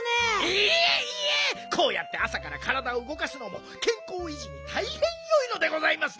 いえいえこうやってあさからからだをうごかすのもけんこういじにたいへんよいのでございますですよ。